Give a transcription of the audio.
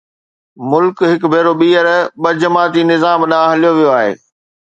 ملڪ هڪ ڀيرو ٻيهر ٻه جماعتي نظام ڏانهن هليو ويو آهي.